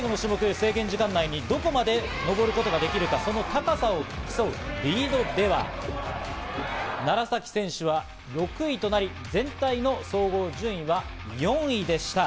制限時間内にどこまで登れるか高さを競うリードでは、楢崎選手は６位となり、全体の総合順位は４位でした。